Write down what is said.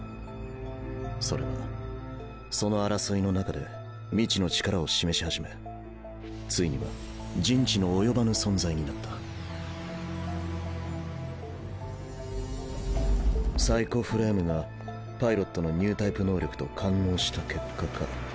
それはその争いのなかで未知の力を示しはじめついには人知の及ばぬ存在になったサイコフレームがパイロットのニュータイプ能力と感応した結果か。